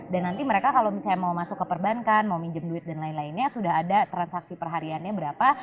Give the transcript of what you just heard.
dan nanti mereka kalau misalnya mau masuk ke perbankan mau minjem duit dan lain lainnya sudah ada transaksi perhariannya berapa